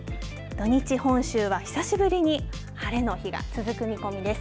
土日、本州は久しぶりに晴れの日が続く見込みです。